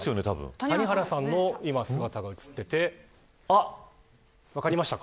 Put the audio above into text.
谷原さんの今、姿が映っていて分かりましたか。